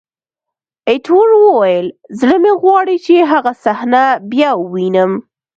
ایټور وویل: زړه مې غواړي چې هغه صحنه بیا ووینم.